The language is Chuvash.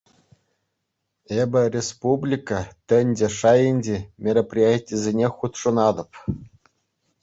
Эпӗ республика, тӗнче шайӗнчи мероприятисене хутшӑнатӑп.